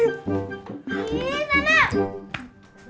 minah tau kelemahannya emak kang